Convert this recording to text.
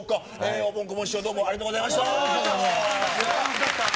おぼん・こぼん師匠、どうもありがとうございました。